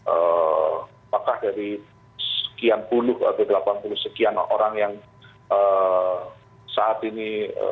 apakah dari sekian puluh atau delapan puluh sekian orang yang saat ini